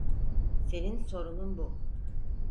Senin sorunun bu.